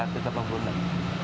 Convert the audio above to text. kita masih satu ratus empat puluh